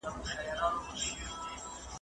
تاسي په نېکۍ پسي ځئ.